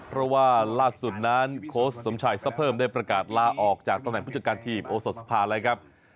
เพราะว่าล่าสุดนั้นโค้ชสมชายซะเพิ่มได้ประกาศลาออกจากตำแหน่งผู้จัดการทีมโอสดสภาแล้วครับ